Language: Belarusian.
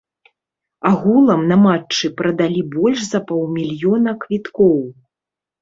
Агулам, на матчы прадалі больш за паўмільёна квіткоў.